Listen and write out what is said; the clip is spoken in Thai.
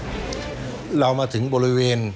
ก็ต้องชมเชยเขาล่ะครับเดี๋ยวลองไปดูห้องอื่นต่อนะครับ